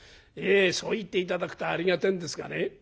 そう言って頂くとありがたいんですがね